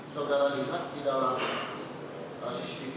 segala lihat di dalam cctv ini